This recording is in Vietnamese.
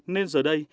nên giờ đây